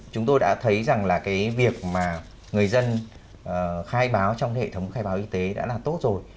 chúng tôi đã thấy rằng là cái việc mà người dân khai báo trong hệ thống khai báo y tế đã là tốt rồi